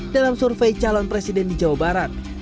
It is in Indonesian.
dalam survei calon presiden di jawa barat